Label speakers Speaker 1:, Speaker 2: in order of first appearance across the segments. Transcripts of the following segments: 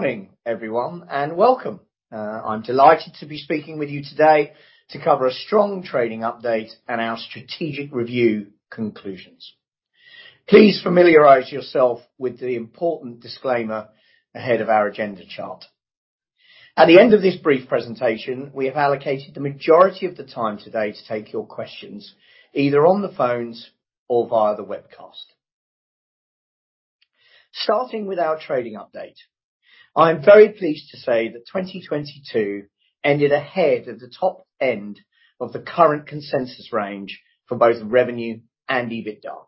Speaker 1: Morning, everyone, and welcome. I'm delighted to be speaking with you today to cover a strong trading update and our strategic review conclusions. Please familiarize yourself with the important disclaimer ahead of our agenda chart. At the end of this brief presentation, we have allocated the majority of the time today to take your questions, either on the phones or via the webcast. Starting with our trading update, I am very pleased to say that 2022 ended ahead of the top end of the current consensus range for both revenue and EBITDA.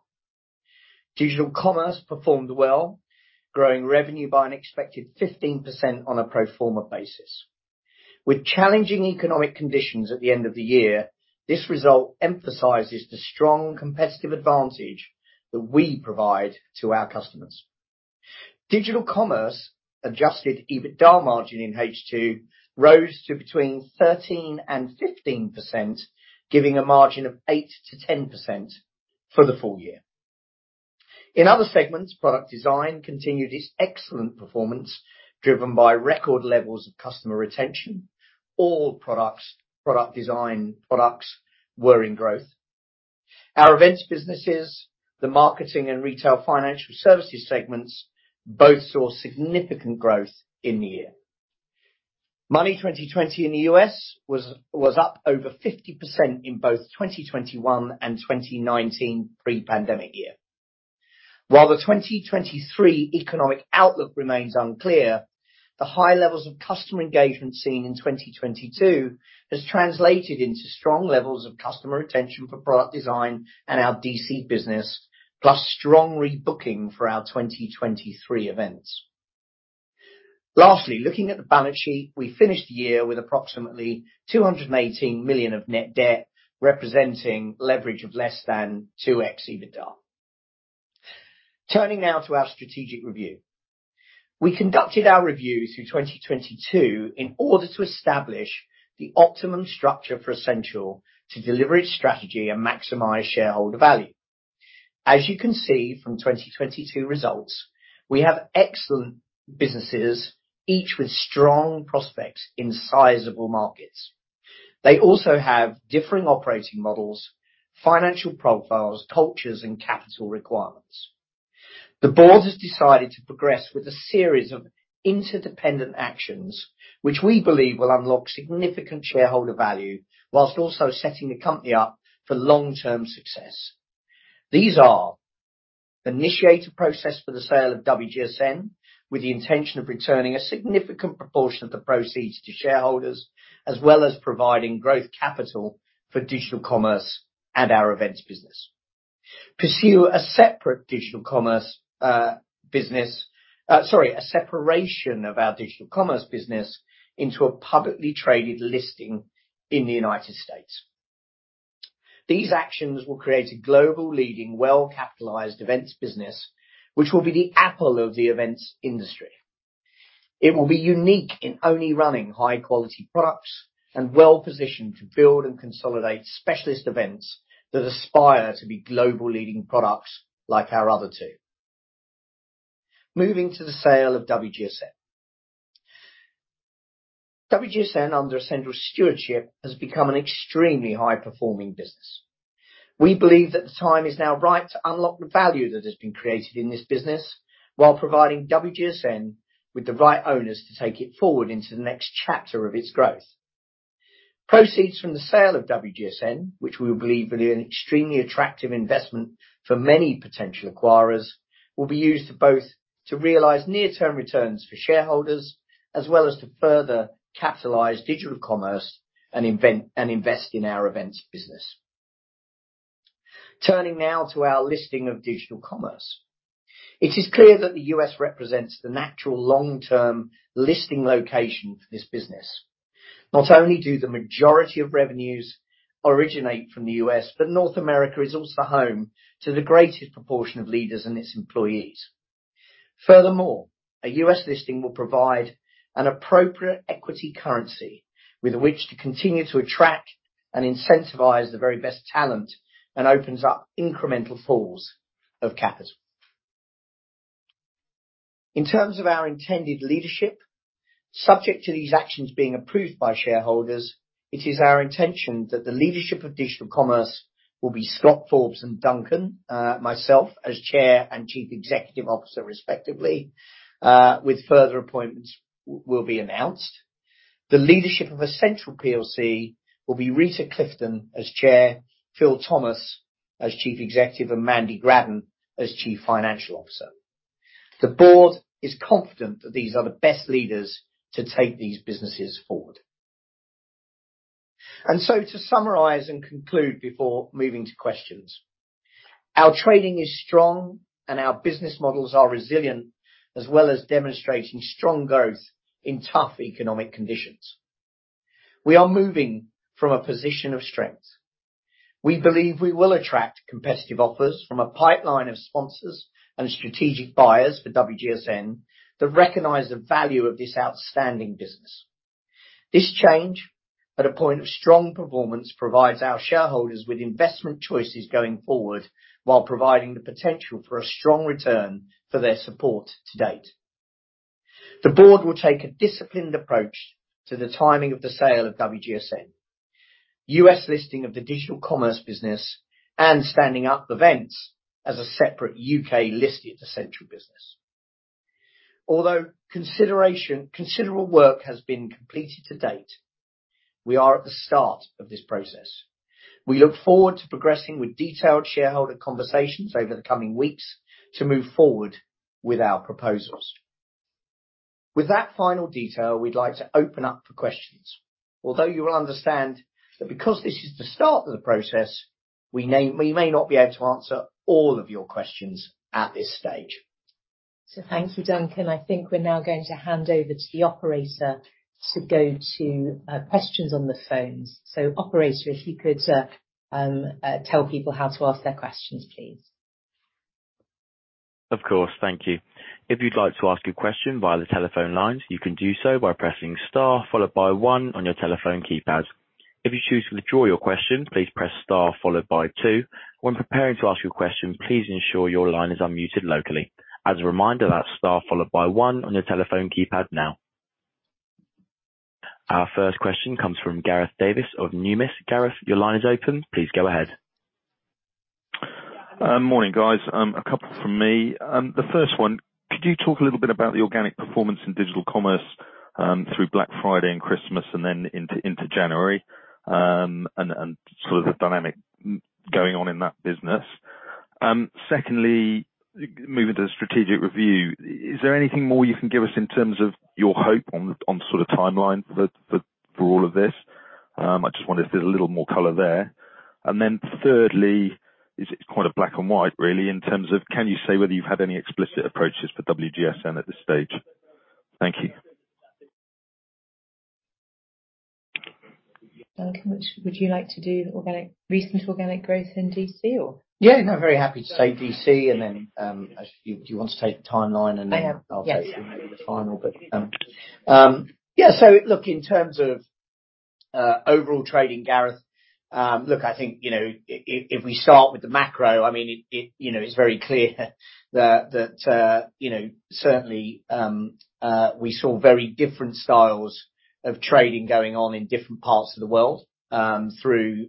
Speaker 1: Digital Commerce performed well, growing revenue by an expected 15% on a pro forma basis. With challenging economic conditions at the end of the year, this result emphasizes the strong competitive advantage that we provide to our customers. Digital Commerce adjusted EBITDA margin in H2 rose to between 13% and 15%, giving a margin of 8%-10% for the full year. In other segments, Product Design continued its excellent performance, driven by record levels of customer retention. All products, Product Design products were in growth. Our Events businesses, the Marketing and Retail Financial Services segments both saw significant growth in the year. Money20/20 in the US was up over 50% in both 2021 and 2019 pre-pandemic year. While the 2023 economic outlook remains unclear, the high levels of customer engagement seen in 2022 has translated into strong levels of customer retention for Product Design and our DC business, plus strong rebooking for our 2023 events. Lastly, looking at the balance sheet, we finished the year with approximately 218 million of net debt, representing leverage of less than 2x EBITDA. Turning now to our strategic review. We conducted our review through 2022 in order to establish the optimum structure for Ascential to deliver its strategy and maximize shareholder value. As you can see from 2022 results, we have excellent businesses, each with strong prospects in sizable markets. They also have differing operating models, financial profiles, cultures, and capital requirements. The board has decided to progress with a series of interdependent actions, which we believe will unlock significant shareholder value while also setting the company up for long-term success. These are initiate a process for the sale of WGSN, with the intention of returning a significant proportion of the proceeds to shareholders, as well as providing growth capital for Digital Commerce and our Events business. Pursue a separate Digital Commerce business. Sorry, a separation of our Digital Commerce business into a publicly traded listing in the United States. These actions will create a global leading, well-capitalized Events business, which will be the Apple of the events industry. It will be unique in only running high-quality products and well-positioned to build and consolidate specialist events that aspire to be global leading products like our other two. Moving to the sale of WGSN. WGSN under Ascential stewardship has become an extremely high-performing business. We believe that the time is now right to unlock the value that has been created in this business while providing WGSN with the right owners to take it forward into the next chapter of its growth. Proceeds from the sale of WGSN, which we believe will be an extremely attractive investment for many potential acquirers, will be used both to realize near-term returns for shareholders, as well as to further capitalize Digital Commerce and invent, and invest in our Events business. Turning now to our listing of Digital Commerce. It is clear that the US represents the natural long-term listing location for this business. Not only do the majority of revenues originate from the US, but North America is also home to the greatest proportion of leaders and its employees. Furthermore, a US listing will provide an appropriate equity currency with which to continue to attract and incentivize the very best talent and opens up incremental pools of capital. In terms of our intended leadership, subject to these actions being approved by shareholders, it is our intention that the leadership of Digital Commerce will be Scott Forbes and Duncan, myself as Chair and Chief Executive Officer, respectively, with further appointments will be announced. The leadership of Ascential plc will be Rita Clifton as Chair, Phil Thomas as Chief Executive, and Mandy Gradden as Chief Financial Officer. The board is confident that these are the best leaders to take these businesses forward. To summarize and conclude before moving to questions, our trading is strong and our business models are resilient, as well as demonstrating strong growth in tough economic conditions. We are moving from a position of strength. We believe we will attract competitive offers from a pipeline of sponsors and strategic buyers for WGSN that recognize the value of this outstanding business. This change at a point of strong performance provides our shareholders with investment choices going forward, while providing the potential for a strong return for their support to date. The board will take a disciplined approach to the timing of the sale of WGSN, US listing of the Digital Commerce business and standing up events as a separate UK-listed Ascential business. Although considerable work has been completed to date, we are at the start of this process. We look forward to progressing with detailed shareholder conversations over the coming weeks to move forward with our proposals. With that final detail, we'd like to open up for questions. Although you will understand that because this is the start of the process, we may not be able to answer all of your questions at this stage.
Speaker 2: Thank you, Duncan. I think we're now going to hand over to the operator to go to questions on the phones. Operator, if you could tell people how to ask their questions, please.
Speaker 3: Of course. Thank you. If you'd like to ask a question via the telephone lines, you can do so by pressing star followed by one on your telephone keypad. If you choose to withdraw your question, please press star followed by two. When preparing to ask your question, please ensure your line is unmuted locally. As a reminder, that's Star followed by one on your telephone keypad now. Our first question comes from Gareth Davies of Numis. Gareth, your line is open. Please go ahead.
Speaker 4: Morning, guys. A couple from me. The first one, could you talk a little bit about the organic performance in Digital Commerce through Black Friday and Christmas and then into January and sort of the dynamic going on in that business? Secondly, moving to the strategic review, is there anything more you can give us in terms of your hope on sort of timeline for all of this? I just wondered if there's a little more color there. Thirdly, it's quite a black and white really in terms of can you say whether you've had any explicit approaches for WGSN at this stage? Thank you.
Speaker 2: Duncan, would you like to do the recent organic growth in DC?
Speaker 1: Yeah, no, very happy to take DC and then, if you want to take the timeline.
Speaker 2: I am. Yes.
Speaker 1: I'll take the final bit. Yeah, so look, in terms of overall trading, Gareth, look, I think, you know, if we start with the macro, I mean, it, you know, it's very clear that, you know, certainly, we saw very different styles of trading going on in different parts of the world, through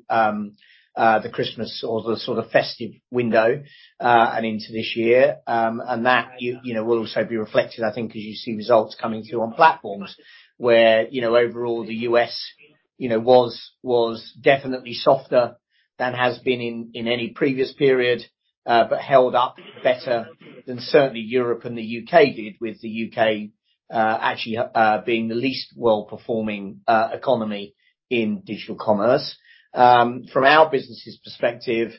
Speaker 1: the Christmas or the sort of festive window, and into this year. That you know will also be reflected, I think, as you see results coming through on platforms where, you know, overall the US, was definitely softer than has been in any previous period, but held up better than certainly Europe and the UK did with the UK, actually, being the least well-performing economy in Digital Commerce. From our business' perspective,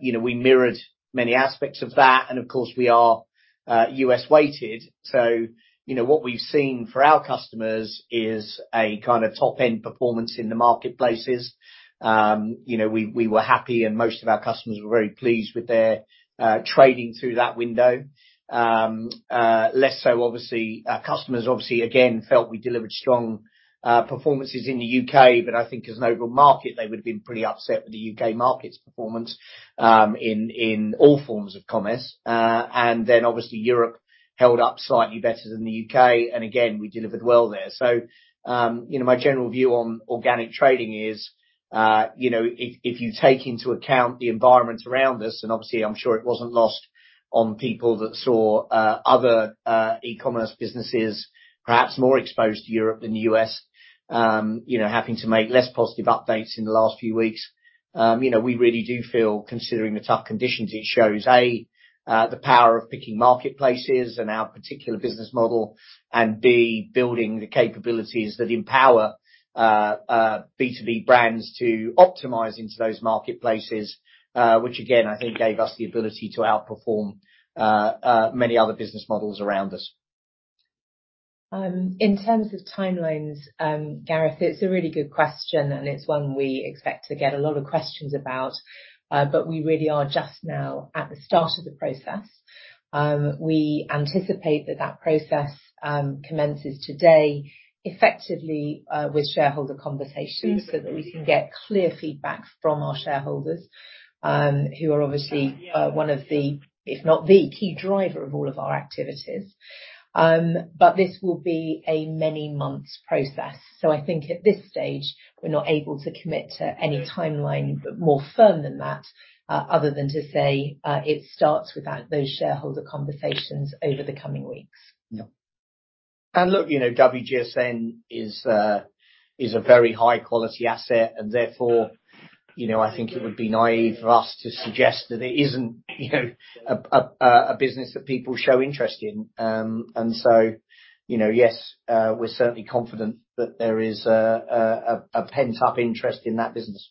Speaker 1: you know, we mirrored many aspects of that and of course we are US weighted. You know, what we've seen for our customers is a kinda top-end performance in the marketplaces. You know, we were happy and most of our customers were very pleased with their trading through that window. Less so obviously, customers obviously again felt we delivered strong performances in the UK, but I think as an overall market they would've been pretty upset with the UK market's performance in all forms of commerce. Obviously Europe held up slightly better than the UK and again, we delivered well there. You know, my general view on organic trading is, you know, if you take into account the environment around us and obviously I'm sure it wasn't lost on people that saw other e-commerce businesses perhaps more exposed to Europe than the US. You know, having to make less positive updates in the last few weeks, you know, we really do feel considering the tough conditions it shows, A, the power of picking marketplaces and our particular business model and, B, building the capabilities that empower B2B brands to optimize into those marketplaces, which again I think gave us the ability to outperform many other business models around us.
Speaker 2: In terms of timelines, Gareth, it's a really good question, and it's one we expect to get a lot of questions about. We really are just now at the start of the process. We anticipate that that process commences today effectively, with shareholder conversations so that we can get clear feedback from our shareholders, who are obviously, one of the, if not the key driver of all of our activities. This will be a many months process. I think at this stage we're not able to commit to any timeline more firm than that, other than to say, it starts with that, those shareholder conversations over the coming weeks.
Speaker 1: Yeah. Look, you know, WGSN is a very high quality asset and therefore, you know, I think it would be naive for us to suggest that it isn't, you know, a business that people show interest in. So, you know, yes, we're certainly confident that there is a pent-up interest in that business.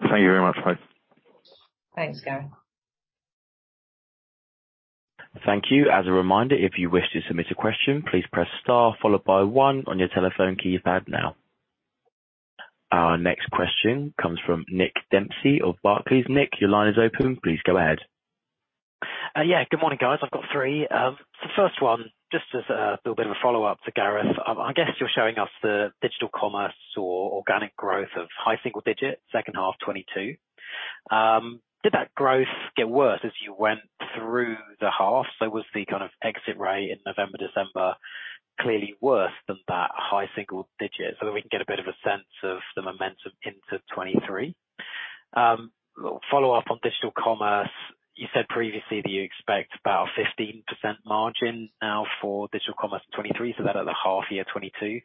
Speaker 4: Thank you very much. Bye.
Speaker 2: Thanks, Gareth.
Speaker 3: Thank you. As a reminder, if you wish to submit a question, please press star followed by one on your telephone keypad now. Our next question comes from Nick Dempsey of Barclays. Nick, your line is open. Please go ahead.
Speaker 5: Yeah, good morning, guys. I've got three. First one, just as a little bit of a follow-up for Gareth. I guess you're showing us the Digital Commerce organic growth of high single digits, second half 2022. Did that growth get worse as you went through the half? Was the kind of exit rate in November, December clearly worse than that high single digit? That we can get a bit of a sense of the momentum into 2023. Follow-up on Digital Commerce. You said previously that you expect about a 15% margin now for Digital Commerce 2023, so that at the half year 2022.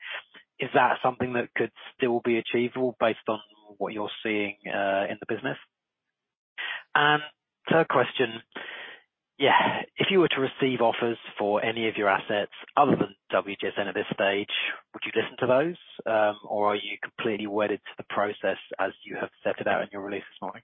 Speaker 5: Is that something that could still be achievable based on what you're seeing in the business? Third question. If you were to receive offers for any of your assets other than WGSN at this stage, would you listen to those? Are you completely wedded to the process as you have set it out in your release this morning?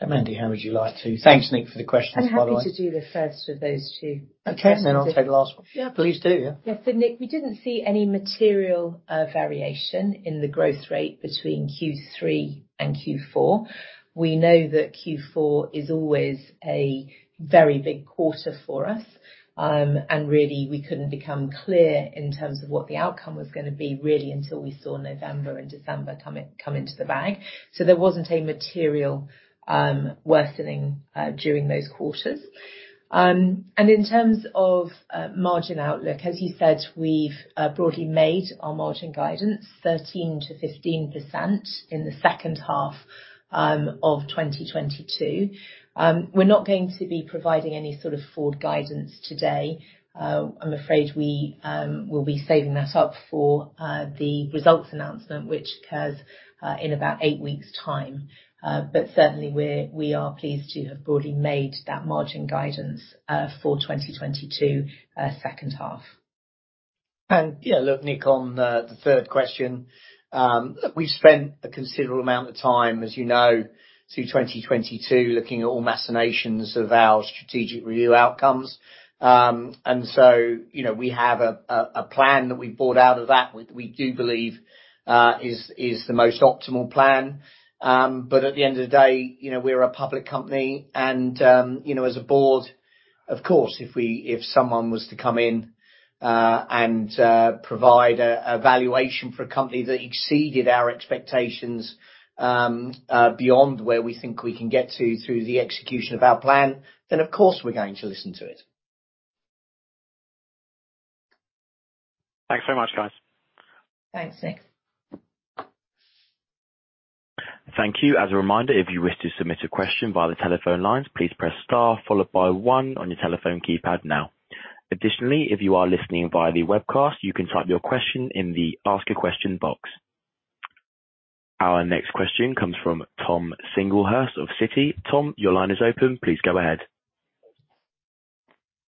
Speaker 1: Thanks, Nick, for the questions, by the way.
Speaker 2: I'm happy to do the first of those two.
Speaker 1: Okay. I'll take the last one. Yeah, please do.
Speaker 2: Yeah. Yeah. Nick, we didn't see any material variation in the growth rate between Q3 and Q4. We know that Q4 is always a very big quarter for us. Really, we couldn't become clear in terms of what the outcome was gonna be, really until we saw November and December come into the bag. There wasn't a material worsening during those quarters. In terms of margin outlook, as you said, we've broadly made our margin guidance 13%-15% in the second half of 2022. We're not going to be providing any sort of forward guidance today. I'm afraid we will be saving that up for the results announcement, which occurs in about eight weeks time. Certainly we are pleased to have broadly made that margin guidance for 2022, second half.
Speaker 1: Yeah, look, Nick, on the third question, we've spent a considerable amount of time, as you know, through 2022 looking at all machinations of our strategic review outcomes. So, you know, we have a plan that we bought out of that we do believe is the most optimal plan. At the end of the day, you know, we're a public company and, you know, as a board, of course, if someone was to come in and provide a valuation for a company that exceeded our expectations, beyond where we think we can get to through the execution of our plan, then of course, we're going to listen to it.
Speaker 5: Thanks very much, guys.
Speaker 2: Thanks, Nick.
Speaker 3: Thank you. As a reminder, if you wish to submit a question via the telephone lines, please press star followed by one on your telephone keypad now. Additionally, if you are listening via the webcast, you can type your question in the Ask a Question box. Our next question comes from Tom Singlehurst of Citi. Tom, your line is open. Please go ahead.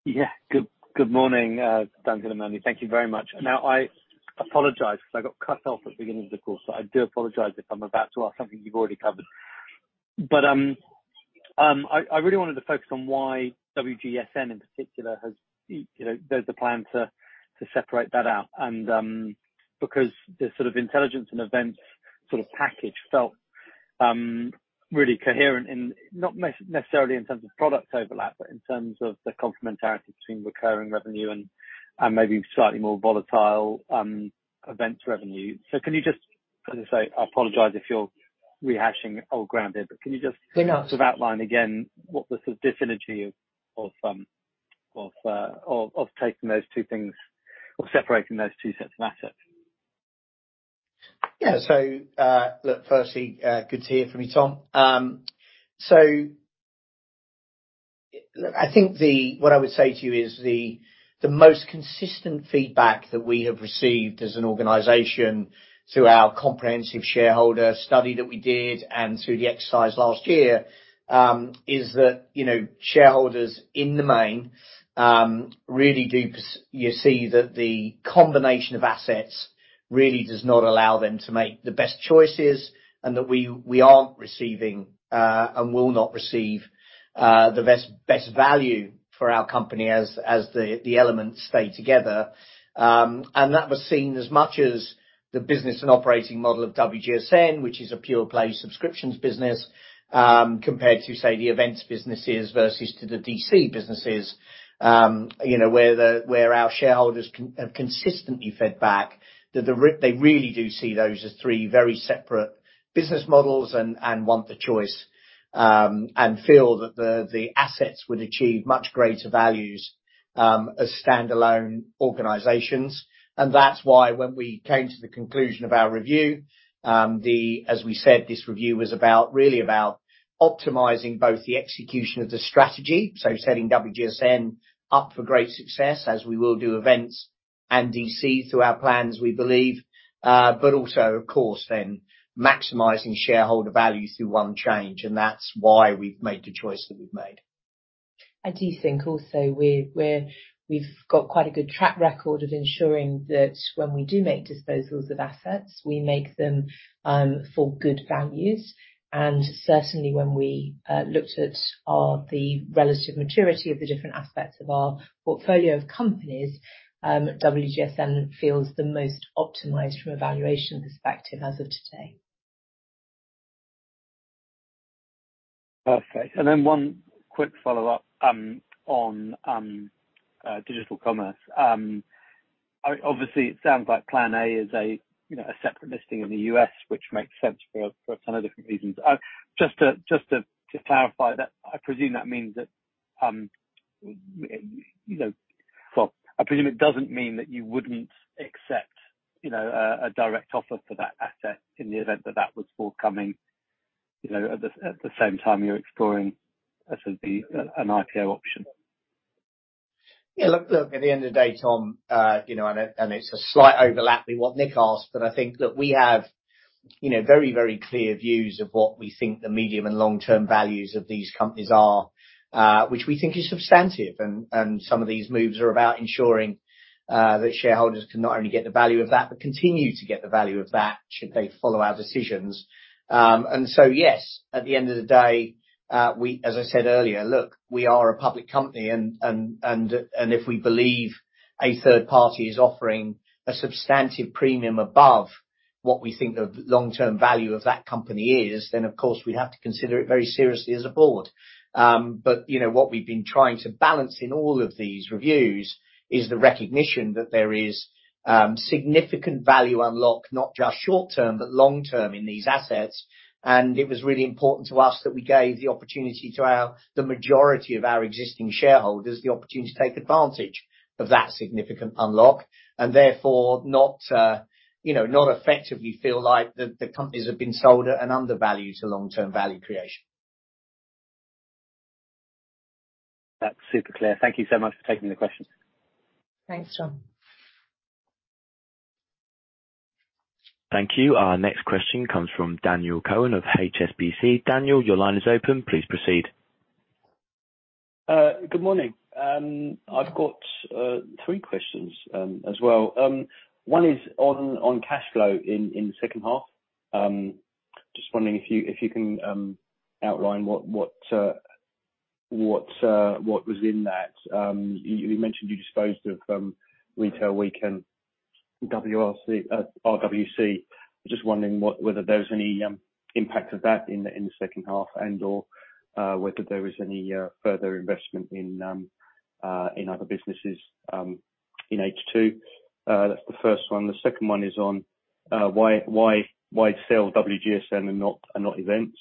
Speaker 6: Yeah. Good morning, Duncan and Mandy. Thank you very much. I apologize 'cause I got cut off at the beginning of the call, so I do apologize if I'm about to ask something you've already covered. I really wanted to focus on why WGSN in particular has, you know, there's a plan to separate that out and because the sort of intelligence and events sort of package felt really coherent and not necessarily in terms of product overlap, but in terms of the complementarity between recurring revenue and maybe slightly more volatile events revenue. Can you just? As I say, I apologize if you're rehashing old ground here.
Speaker 1: No, no.
Speaker 6: Sort of outline again what the sort of dis-synergy of taking those two things or separating those two sets of assets.
Speaker 1: Yeah. Look, firstly, good to hear from you, Tom. Look, I think what I would say to you is the most consistent feedback that we have received as an organization through our comprehensive shareholder study that we did and through the exercise last year, is that, you know, shareholders in the main, really do you see that the combination of assets really does not allow them to make the best choices and that we aren't receiving, and will not receive, the best value for our company as the elements stay together. That was seen as much as the business and operating model of WGSN, which is a pure play subscriptions business, compared to, say, the events businesses versus to the DC businesses, you know, where our shareholders have consistently fed back that they really do see those as three very separate business models and want the choice, and feel that the assets would achieve much greater values, as standalone organizations. That's why when we came to the conclusion of our review, as we said, this review was about, really about optimizing both the execution of the strategy, so setting WGSN up for great success as we will do events and DC through our plans, we believe, but also of course then maximizing shareholder value through one change, and that's why we've made the choice that we've made.
Speaker 2: I do think also we've got quite a good track record of ensuring that when we do make disposals of assets, we make them for good values. Certainly when we looked at the relative maturity of the different aspects of our portfolio of companies, WGSN feels the most optimized from a valuation perspective as of today.
Speaker 6: Perfect. One quick follow-up, on, Digital Commerce. Obviously, it sounds like plan A is a, you know, a separate listing in the US, which makes sense for a ton of different reasons. Just to clarify that, I presume that means that, you know... Well, I presume it doesn't mean that you wouldn't accept, you know, a direct offer for that asset in the event that that was forthcoming, you know, at the same time you're exploring as would be an IPO option?
Speaker 1: Yeah, look, at the end of the day, Tom, you know, and it's a slight overlap in what Nick asked, but I think that we have, you know, very clear views of what we think the medium and long-term values of these companies are, which we think is substantive. Some of these moves are about ensuring that shareholders can not only get the value of that, but continue to get the value of that should they follow our decisions. Yes, at the end of the day, we, as I said earlier, look, we are a public company. If we believe a third party is offering a substantive premium above what we think the long-term value of that company is, of course we'd have to consider it very seriously as a board. You know, what we've been trying to balance in all of these reviews is the recognition that there is significant value unlock, not just short-term, but long-term in these assets. It was really important to us that we gave the opportunity to the majority of our existing shareholders, the opportunity to take advantage of that significant unlock, and therefore not, you know, not effectively feel like the companies have been sold at an undervalue to long-term value creation.
Speaker 6: That's super clear. Thank you so much for taking the questions.
Speaker 2: Thanks, Tom.
Speaker 3: Thank you. Our next question comes from Daniel Cohen of HSBC. Daniel, your line is open. Please proceed.
Speaker 7: Good morning. I've got three questions as well. One is on cash flow in the second half. Just wondering if you can outline what was in that. You mentioned you disposed of RWRC. Just wondering whether there's any impact of that in the second half and/or whether there is any further investment in other businesses in H2. That's the first one. The second one is on why sell WGSN and not events?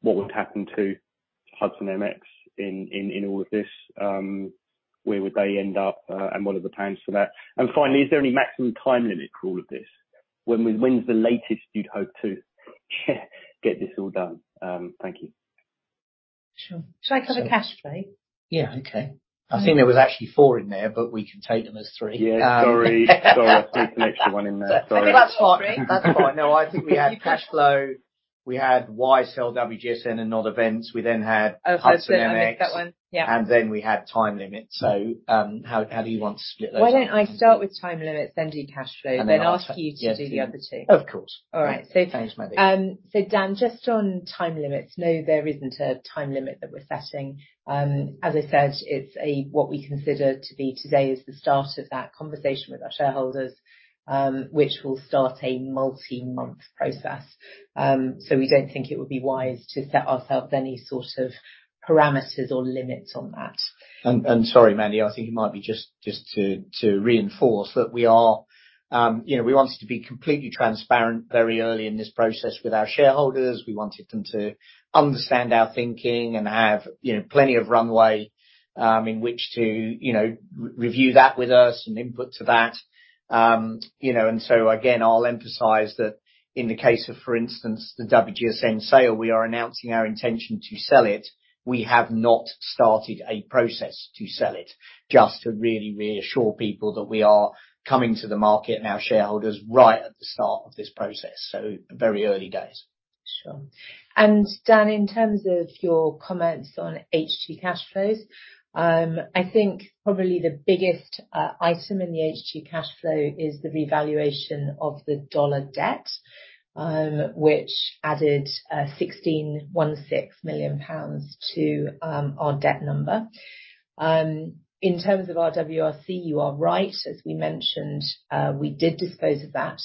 Speaker 7: What would happen to Hudson MX in all of this? Where would they end up, and what are the plans for that? Finally, is there any maximum time limit for all of this? When's the latest you'd hope to get this all done? Thank you.
Speaker 2: Sure. Shall I cover cash flow?
Speaker 1: Yeah, okay. I think there was actually four in there, but we can take them as three.
Speaker 7: Yeah, sorry. Sorry, I threw up an extra one in there. Sorry.
Speaker 2: That's all three.
Speaker 1: That's fine. I think we had cash flow. We had why sell WGSN and not events.
Speaker 2: Oh, sorry.
Speaker 1: Hudson MX.
Speaker 2: I missed that one. Yeah.
Speaker 1: We had time limits. How do you want to split those up?
Speaker 2: Why don't I start with time limits, then do cash flow.
Speaker 1: And then I'll take-
Speaker 2: Ask you to do the other two.
Speaker 1: Of course.
Speaker 2: All right.
Speaker 1: Thanks, Mandy.
Speaker 2: Dan, just on time limits, no, there isn't a time limit that we're setting. As I said, it's what we consider to be today is the start of that conversation with our shareholders, which will start a multi-month process. We don't think it would be wise to set ourselves any sort of parameters or limits on that.
Speaker 1: Sorry, Mandy, I think it might be just to reinforce that we are, you know, we wanted to be completely transparent very early in this process with our shareholders. We wanted them to understand our thinking and have, you know, plenty of runway in which to, you know, review that with us and input to that. You know, again, I'll emphasize that in the case of, for instance, the WGSN sale, we are announcing our intention to sell it. We have not started a process to sell it. Just to really reassure people that we are coming to the market and our shareholders right at the start of this process, so very early days.
Speaker 2: Sure. Dan, in terms of your comments on HT cash flows, I think probably the biggest item in the HT cash flow is the revaluation of the dollar debt, which added 16.16 million pounds to our debt number. In terms of RWRC, you are right. As we mentioned, we did dispose of that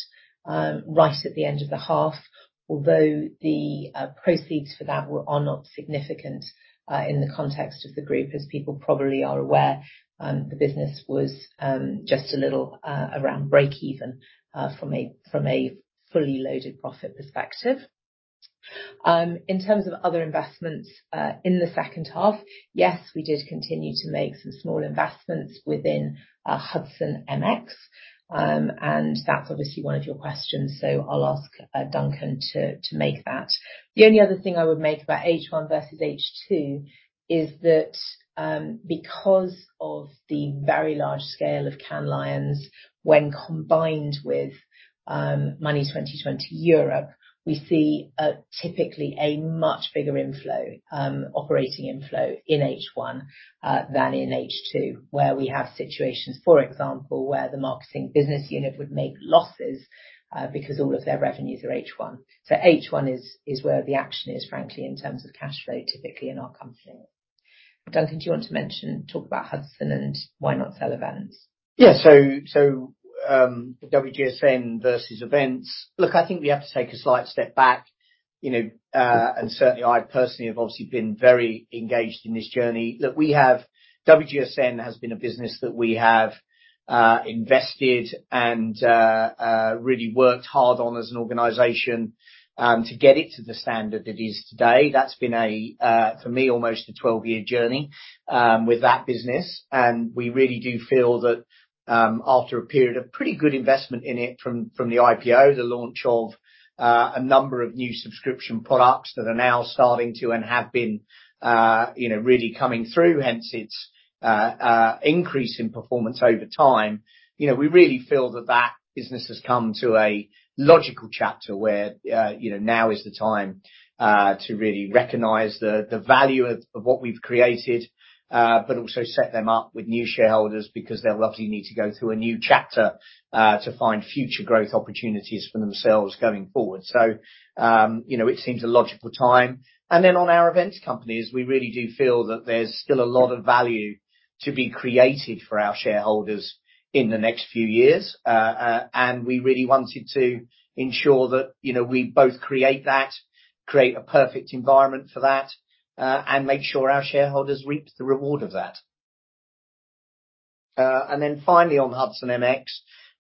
Speaker 2: right at the end of the half. The proceeds for that are not significant in the context of the group, as people probably are aware, the business was just a little around breakeven from a fully loaded profit perspective. In terms of other investments, in the second half, yes, we did continue to make some small investments within Hudson MX. That's obviously one of your questions, so I'll ask Duncan to make that. The only other thing I would make about H1 versus H2 is that because of the very large scale of Cannes Lions, when combined with Money20/20 Europe, we see typically a much bigger inflow, operating inflow in H1 than in H2, where we have situations, for example, where the Marketing business unit would make losses because all of their revenues are H1. H1 is where the action is, frankly, in terms of cash flow, typically in our company. Duncan, do you want to talk about Hudson and why not sell events?
Speaker 1: Yeah. WGSN versus events. Look, I think we have to take a slight step back, you know, and certainly, I personally have obviously been very engaged in this journey. Look, WGSN has been a business that we have invested and really worked hard on as an organization to get it to the standard it is today. That's been a for me, almost a 12-year journey with that business. We really do feel that after a period of pretty good investment in it from the IPO, the launch of a number of new subscription products that are now starting to and have been, you know, really coming through, hence its increase in performance over time. You know, we really feel that that business has come to a logical chapter where, you know, now is the time to really recognize the value of what we've created, but also set them up with new shareholders because they'll likely need to go through a new chapter to find future growth opportunities for themselves going forward. You know, it seems a logical time. On our events companies, we really do feel that there's still a lot of value to be created for our shareholders in the next few years. We really wanted to ensure that, you know, we both create a perfect environment for that, and make sure our shareholders reap the reward of that. Finally, on Hudson MX.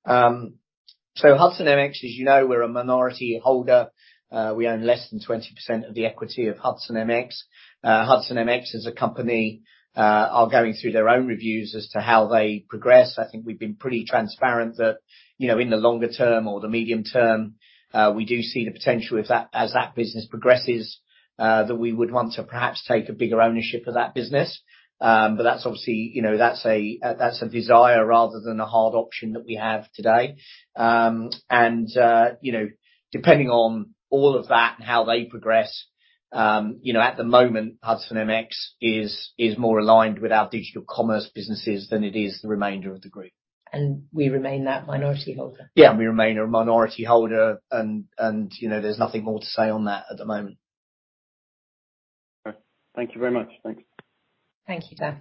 Speaker 1: Hudson MX, as you know, we're a minority holder. We own less than 20% of the equity of Hudson MX. Hudson MX as a company are going through their own reviews as to how they progress. I think we've been pretty transparent that, you know, in the longer term or the medium term, we do see the potential as that business progresses, that we would want to perhaps take a bigger ownership of that business. That's obviously, you know, that's a desire rather than a hard option that we have today. Depending on all of that and how they progress, you know, at the moment, Hudson MX is more aligned with our Digital Commerce businesses than it is the remainder of the group.
Speaker 2: We remain that minority holder.
Speaker 1: Yeah, we remain a minority holder and, you know, there's nothing more to say on that at the moment.
Speaker 6: Okay. Thank you very much. Thanks.
Speaker 2: Thank you, sir.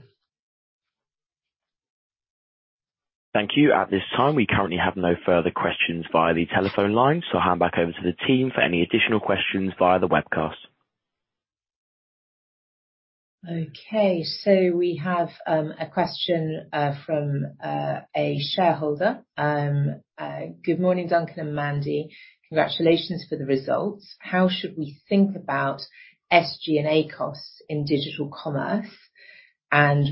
Speaker 3: Thank you. At this time, we currently have no further questions via the telephone line. I'll hand back over to the team for any additional questions via the webcast.
Speaker 2: We have a question from a shareholder. Good morning, Duncan and Mandy. Congratulations for the results. How should we think about SG&A costs in Digital Commerce?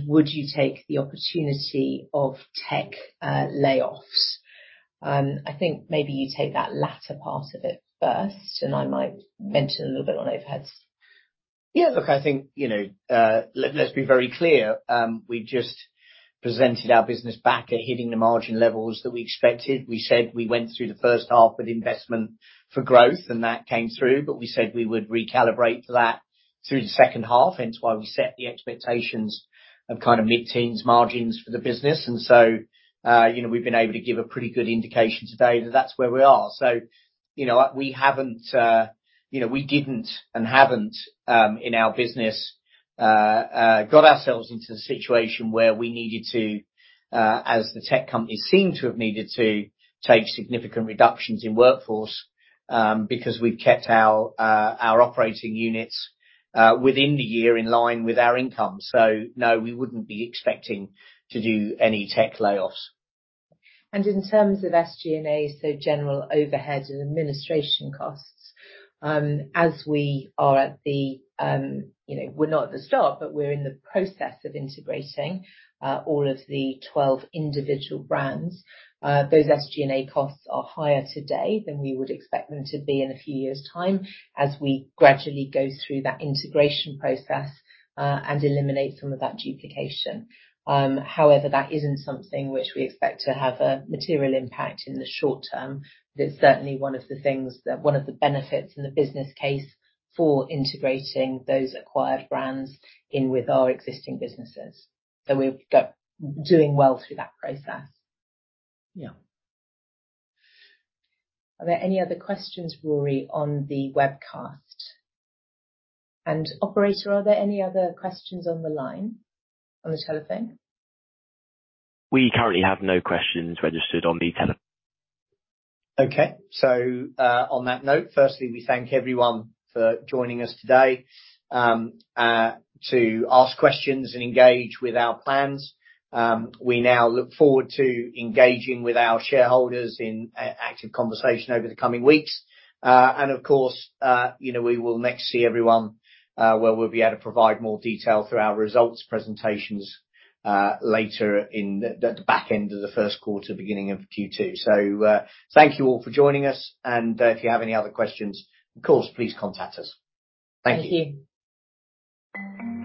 Speaker 2: Would you take the opportunity of tech layoffs? I think maybe you take that latter part of it first. I might mention a little bit on overheads.
Speaker 1: Look, I think, you know, let's be very clear. We just presented our business back at hitting the margin levels that we expected. We said we went through the first half with investment for growth, and that came through, but we said we would recalibrate that through the second half. Hence why we set the expectations of kind of mid-teens margins for the business. You know, we've been able to give a pretty good indication today that that's where we are. You know, we haven't, you know, we didn't and haven't in our business got ourselves into the situation where we needed to, as the tech companies seem to have needed to, take significant reductions in workforce, because we've kept our operating units within the year in line with our income. No, we wouldn't be expecting to do any tech layoffs.
Speaker 2: In terms of SG&A, so general overhead and administration costs, as we are at the, you know, we're not at the start, but we're in the process of integrating all of the 12 individual brands, those SG&A costs are higher today than we would expect them to be in a few years' time as we gradually go through that integration process and eliminate some of that duplication. However, that isn't something which we expect to have a material impact in the short term, but it's certainly one of the things that. One of the benefits in the business case for integrating those acquired brands in with our existing businesses. Doing well through that process. Yeah. Are there any other questions, Rory, on the webcast? Operator, are there any other questions on the line, on the telephone?
Speaker 3: We currently have no questions registered.
Speaker 1: Okay. On that note, firstly, we thank everyone for joining us today to ask questions and engage with our plans. We now look forward to engaging with our shareholders in an active conversation over the coming weeks. Of course, you know, we will next see everyone where we'll be able to provide more detail through our results presentations later in the back end of the first quarter, beginning of Q2. Thank you all for joining us, if you have any other questions, of course, please contact us. Thank you.
Speaker 2: Thank you.